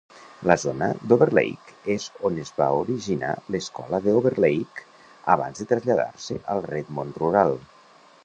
La zona d'Overlake és on es va originar l'Escola The Overlake abans de traslladar-se al Redmond rural.